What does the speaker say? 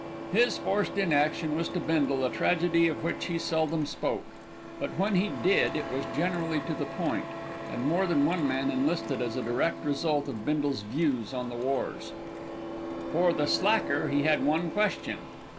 His forced inaction was to Bindle a tragedy of which he seldom spoke; but when he did it was generally to the point, and more than one man enlisted as a direct result of Bindle's views on the war. For "the slacker" he had one question.